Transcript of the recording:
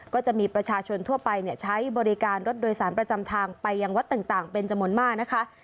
ก็จะมีประชาชนทั่วไปใช้บริการรถโดยสารประจำทางไปยังวัดต่างเป็นจำนวนมากนะคะ